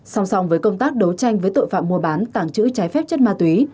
song song với công tác đấu tranh với tội phạm mua bán tảng chữ trái phép chất ma túy